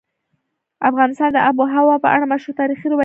افغانستان د آب وهوا په اړه مشهور تاریخی روایتونه لري.